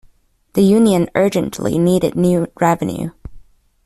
The Union urgently needed new revenue.